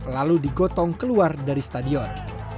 lalu digotong keluar dari stadion